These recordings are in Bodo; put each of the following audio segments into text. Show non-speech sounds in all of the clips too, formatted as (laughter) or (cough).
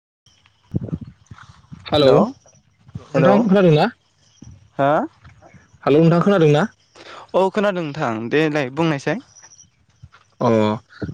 (inaudible) हेलौ हेलौ नोंथां खोनादों ना? हा हेल' नोंथां खोनादों ना? औ खोनादों नोंथां देलाय बुंनायसाय। अ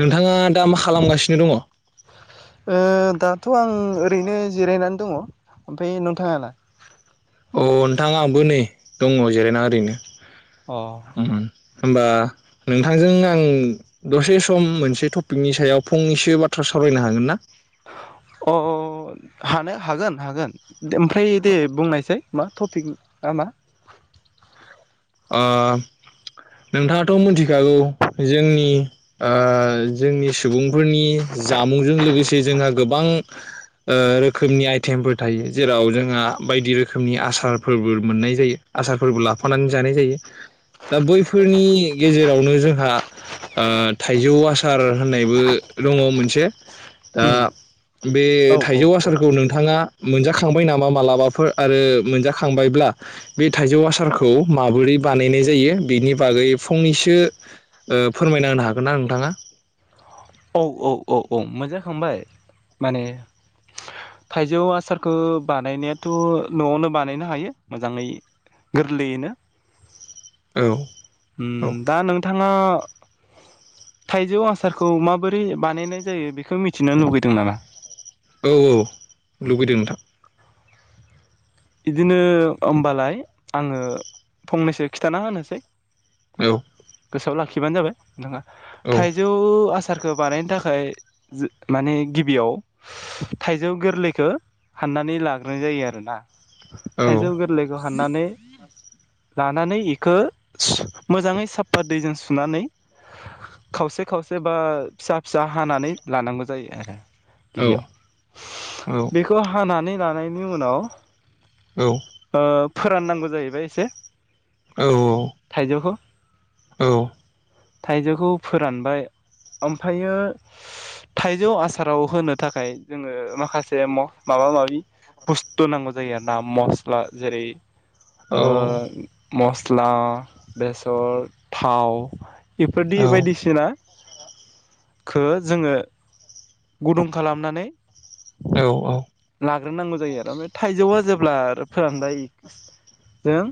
नोंथाङा दा मा खालामगासिनो दङ? ओ दा थ' आं ओरैनो जिरायनानै दङ ओमफ्राय नोंथाङा लाय? अ नोंथां आंबो नै दङ जिरायना ओरैनो। अ। उम होमबा नोंथांजों आं दसे सम मोनसे टपिकनि सायाव फंनैसो बाथ्रा सावरायनो हागोन ना? अ अ हानो हागोन हागोन। ओमफ्राय दे बुंनायसै मा? टपिकआ मा? ओ नोंथाङाथ' मिथिखागौ जोंनि ओ जोंनि सुबुंफोरनि जामुंजों लोगोसे जोंहा गोबां रोखोमनि जासेयावबो आइटेमफोर थायो जेराव जोंहा बायदि रोखोमनि आसारफोरबो मोननाय जायो आसारफोरबो लाफानानै जानाय जायो दा बैफोरनि गेजेरावनो ओ जोंहा थाइजौ दा उम बे औ औ थाइजौ औ आसारखौ नोंथाङा मोनजाखांबाय नामा मालाबाफोर आरो मोनजाखांबायब्ला बे थाइजौ आसारखौ माबोरै बानायनाय जायो बिनि बागै फंनैसो फोरमायना होनो हागोन ना नोंथांङा? औ औ औ औ मोजाखांबाय। माने थाइजौ आसारखो बानायनायाथ' न'आवनो बानायनो हायो मोजाङै गोरलैयैनो। औ ओम औ दा नोंथांङा थाइजौ आसारखौ माबोरै बोरै बानायनाय जायो बेखौ मिथिनो लुुबैदों नामा? औ औ उम लुबैदों नोंथां। बिदिनो होमबालाय आंङो फंनैसो खिथाना होनोसै। औ। गोसोयाव लाखिबानो जाबाय। नोंथाङा औ थाइजौ आसार आसारखौ बानायनो थाखाय ज माने गिबियाव थाइजौ गोरलैखौ हाननानै लाग्रोनाय जायो आरोना। औ थाइजौ गोरलैखौ हाननानै लानानै इखो मोजाङै साफा दैजों सुनानै खावसे खावसे बा फिसा फिसा हानानै लानांगौ जायो आरो। औ गिबियाव औ बेखौ हानानै लानायनि उनाव औ ओ फोराननांगौ जाहैबाय एसे औ थाइजौखौ। औ। थाइजौखौ फोरानबाय ओमफ्रायो थाइजौ आसाराव होनो थाखाय जोङो माखासे माबा माबि बुस्थु नांगौ जा जायो ना मस्ला जेरै ओ औ मस्ला बेसर थाव बेफोरदि बायदिसिना खो जोङो गुदुं खालामनानै औ औ गाग्रोनांगौ जायो आरो थाइजौआ जेब्ला फोरानबाय जों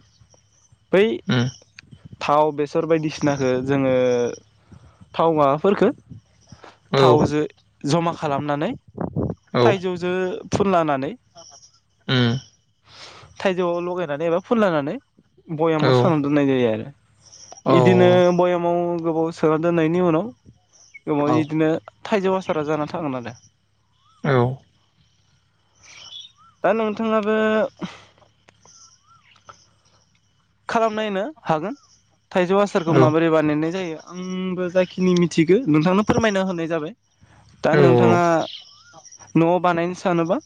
बै थाव बेसर बायदिसिनाखो जोङो थाव माबाफोरफोरखौ औ थावजो जमा खालामनानै औ थाइजौजो फुनलानानै। उम। थाइजौआव लगायनानै एबा फुनलानानै। औ बयामाव सोना दोननाय जायो आरो। औ बिदिनो बयामाव गोबाव सोना दोननायनि उनाव औ गोबाव बिदिनो थाइजौ आसारा जाना थागोन आरो। औ दा नोंथाङाबो खालाम नायनो हागोन थाइजौ आसारखौ माबोरै बानायनाय जायो आंबो जाखिनि मिथिगौ नोंथांनो फोरमायना होनाय जाबाय दा नोंथाङा उम न'आव बानायनो सानोबा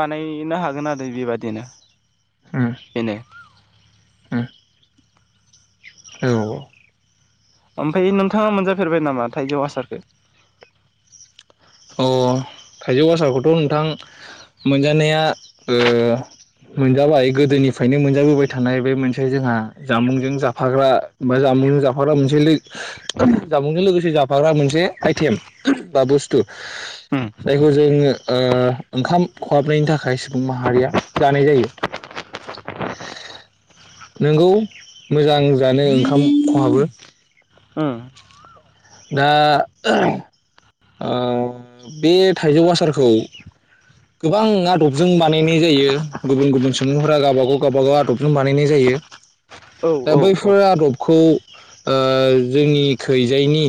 बानायनो हागोन आरो बेबादिनो। बिनो। उम औ ओमफ्राय नोंथाङा मोनजाफेरबाय नामा थाइजौ हासारखौ? अ थाइजौ गासारखौथ' नोंथां मोनजानाया मोनजाबाय गोदोनिफ्रायनो मोनजाबोबाय थानाय बे मोनसे जोंहा जामुंजों जाफाग्रा बा जामुंजों जाफाग्रा मोनसे जामुंजों लोगोसे जाफाग्रा मोनसे आइटेम बा बुस्थु। (inaudible) जायखौ जोङो ओंखाम खहाबनायनि थाखाय सुबुं माहारिया जानाय जायो नोंंगौ मोजां जानो ओंखाम खहाबो। उम दा बे थाइजौ आसारखौ गोबां आदबजों बानायनाय जायो गुबुन गुबुन सुबुंफोरा गावबागाव गावबागाव आदबजों बानायनाय जायो। औ दा औ औ बैफोर आदब खौ जोंनि खैजायनि।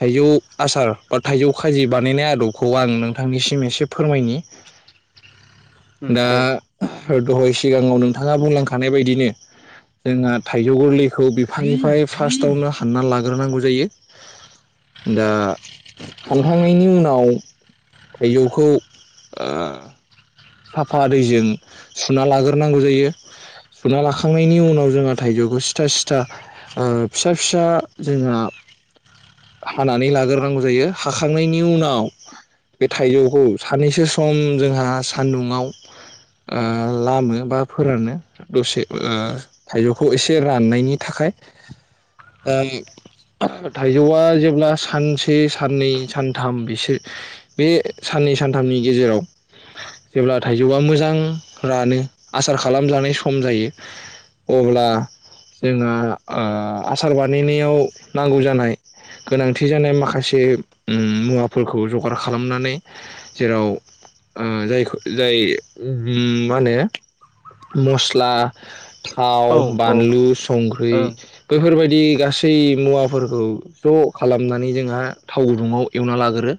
थाइजौ आसार बा थाइजौ खाजि बानायनाय आदबखौ आं नोंथांनिसिम एसे फोरमायनि उम दा दे दहाय सिगाङाव नोंथाङा बुंलांखानाय बायदिनो जोंहा थाइजौ गोरलैखौ बिफांनिफ्राय फार्स्टआवनो हानना लाग्रोनांगौ जायो। दा थांखांनायनि उनाव थाइजौखौ साफा दैजों सुना लाग्रोनांगौ जायो सुना लाखांनायनि उनाव जोंहा थाइजौखौ सिथा सिथा फिसा फिसा जोंहा हानानै लाग्रोनांगौ जायो हाखांनायनि उनाव बे थाइजौखौ साननैसो सम जोंहा सान्दुंङआव लामो बा फोरानो दसे थाइजौखौ एसे राननायनि थाखाय थाइजौआ जेब्ला सानसे साननै सानथाम बिसोर बे साननै सानथामनि गेजेराव जेब्ला थाइजौआ मोजां रानो आसार खालामजानाय सम जायो अब्ला जोंहा आसार बानायनायाव नांगौ जानाय गोनांथि जानाय माखासे मुवाफोरखौ जगार खालामनानै जेराव जायखौ जाय मा होनो मस्ला औ थाव औ बानलु सं ऐ ओं बैफोरबायदि गासै मुवाफोरखौ ज' खालामनानै जोंहा थाव गुदुङाव एवना लागोरो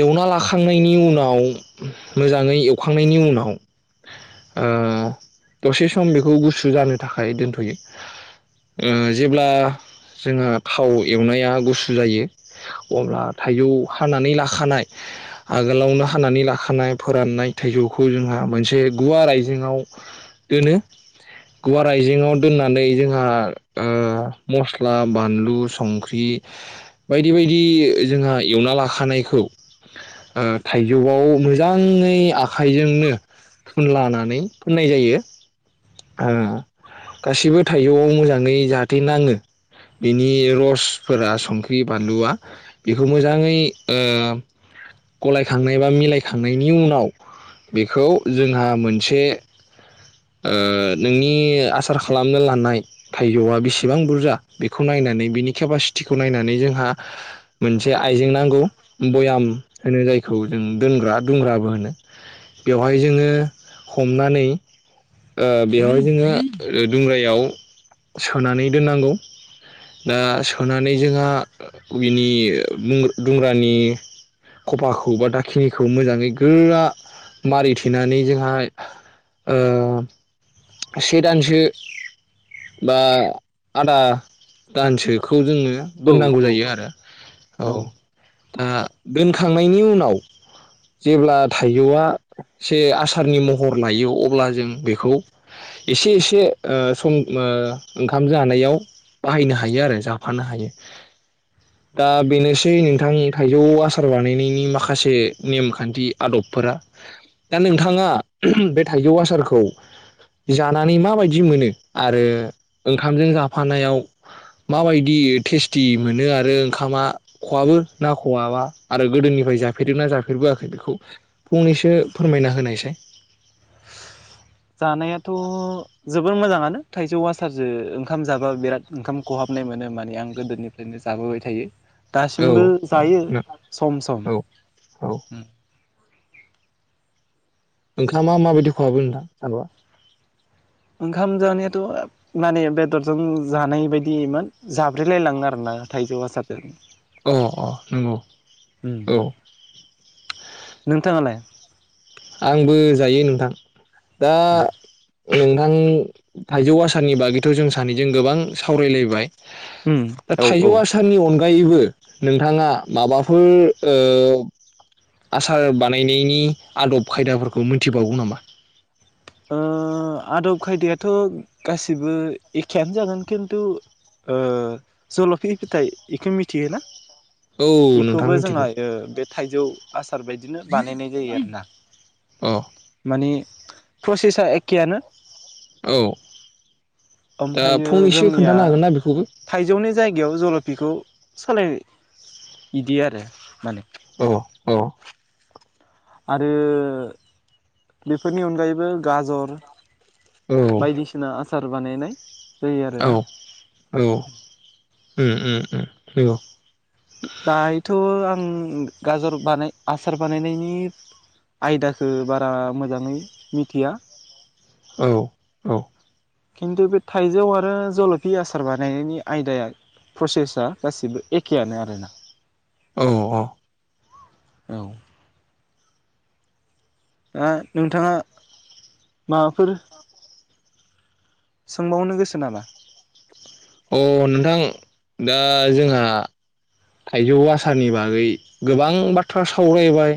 एवना लाखांनायनि उनाव मोजाङै एवखांनायनि उनाव दसे सम बेखौ गुसु जानो थाखाय दोनथ'यो जेब्ला जोंहा थाव एवनाया गुसु जायो अब्ला थाइजौ हानानै लाखानाय आगोलावनो हानानै लाखा नाय फोराननाय थाइजौखो जोंहा मोनसे गुवार आयजेंआव दोनो गुवार आयजेङाव दोन्नानै जोंहा ओ मसला, बानबुंथाय, संख्रि बायदि बायदि जोंहा एवना लाखानायखौ थायजौ आव मो मोजाङै आखाइजोंनो फुनलानानै फुननाय जायो गासिबो थाइजौआव मोजाङै जाहाथे नाङो बिनि रसफोरा संख्रि बानलुआ बेखौ मोजाङै गलायखांनाय बा मिलाय थांनायनि उनाव बेखौ जोंहा मोनसे ओ नोंनि आसार खालामनो लानाय थाइजौआ बेसेबां बुरजा बेखौ नायनानै बिनि केपासिटिखौ नायनानै जोंहा मोनसे आइजें नांगौ बयाम होनो जायखौ जों दोनग्रा दुंग्राबो होनो बेवहाय जोङो हमनानै। ओ बेवहाय जोङो ओ दुंग्रायाव सोनानै दोननांगौ दा सोनानै जोंहा बिनि मूंगा दुंग्रानि खफाखौ बा दाखिनिखौ मोजाङै गोआ मारिथेनानै जोंहा ओ से दानसो बा आदा दानसोखौ जोङो औ दोननांगौ औ जायो आरो औ। दा दोनखांनायनि उनाव जेब्ला थाइजौआ से आसारनि महर लायो अब्ला जों बेख खौ एसे एसे ओ सम ओ ओंखाम जानायाव बाहायनो हायो आरो जाफानो हायो दा बेनोसै नोंथांनि थाइजौ आसार बानायनायनि माखासे नेमखान्थि आदबफोरा दा नोंथाङा बे थाइजौ आसारखौ जानानै माबायदि मोनो आरो ओंखामजों जाफानायाव माबायदि टेस्टि मोनो आरो ओंखामा खवाबो ना खवाबा आरो गोदोनिफ्राय जाफेरदों ना जाफेरबोआखै बेखौ फंनैसो फोरमायना होनायसाय। जानायाथ' जोबोर मोजाङानो थाइजौवासारजो ओंखाम जाबा बिराद ओंखाम खहाबनाय मोनो माने आं गोदोनिफ्रायनो जाबोबाय थायो। औ दासिमबो औ जायो सम सम। औ औ ओंखामा माबायदि खहाबो नोंथां? ओंखाम जानायाथ' माने बेदरजों जानाय बायदिमोन जाब्रलायलाङो आरोना थाइजौ आसारजों। अ अ नंगौ। औ नोंथाङालाय? आंबो जायो नोंथां। दा नोंथां थाइजौ आसारनि बागैथ' जों सानैजों गोबां सावरायलायबाय। उम दा औ थाइजौ औ आसारनि अन गायैबो नोंथाङा माबाफोर ओ आसार बानायनायनि आदब खायदाफोरखौ मिथिबावो नामा? ओ आदब खायदायाथ' गासिबो एखेयानो जागोन खिन्थु ओ जल'फि फिथाइ इखो मिथियोना? औ नोंथां इखौबो मिथिगौ जोंहायो बे थाइजौ आसार बायदिनो बानायनाय जायो आरोना अ माने फ्रसेसा एखेआनो। औ दा ओमफ्रायो फंनैसो जोंनिया खोन्थानो हागोन ना बेखौबो थाइजौनि जायगायाव जल'पिखौ सालाय बिदि आरो माने। अ अ अ आरो बेफोरनि अनगायैबो गाजर औ बायदिसिना आसा सार बानायनाय। जायो औ आरोना औ। उम उम उम नंगौ। दायोथ' आं गाजर बानाय आसार बानायनायनि आयदाखो बारा मोजाङै मिथिया औ औ खिन्थु बे थाइजौ आरो जल'पि आसार बानायनायनि आयदाया फ्रसेसा गासिबो एखेआनो आरोना औ औ औ दा नोंथाङा माबाफोर सोंबावनो गोसो नामा? अ नोंथां दा जोंहा थाइजौ आसारनि बागै गोबां बाथ्रा सावरायबाय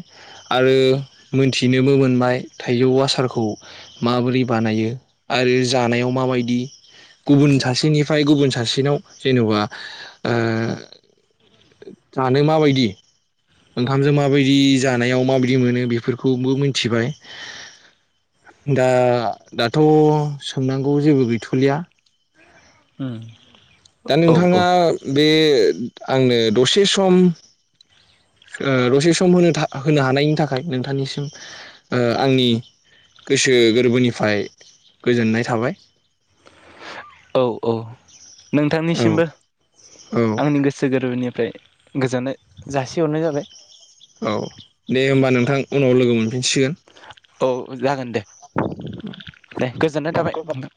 आरो मोनथिनोबो मोनबाय थाइजौ आसारखौ माबोरै बानायो आरो जानायाव माबायदि गुबुन सासेनिफ्राय गुबुन सासेनाव जेन'बा ओ जानो माबायदि ओंखामजों माबायदि जानायाव माबायदि मोनो बिफोरखौबो मिथिबाय दा दाथ' सोंनांगौ जेबो गैथ'लिया। उम दा नोंथाङा बे आंनो दसे सम ओ दसे सम होनो था होनो हानायनि थाखाय नोंथांनिसिम आंनि गोसो गोरबोनिफाय गोजोननाय थाबाय। औ औ। औ नोंथांनिसिमबो औ आंनि गोसो गोरबोनिफ्राय गोजोननाय जासिहरनाय जाबाय। औ दे होमबा नोंथां उनाव लोगो मोनफिनसिगोन। औ जागोन दे। दे गोजोननाय थाबाय नोंथां।